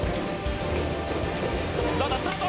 ランナー、スタート！